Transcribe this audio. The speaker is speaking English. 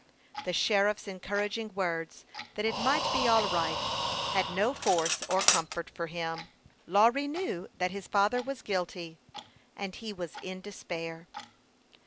The sheriff's encouraging words that it might be all right, had no force or comfort for him. Lawry knew that his father was guilty, and he was in despair.